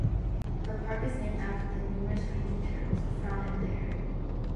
The park is named after the numerous painted turtles found in the area.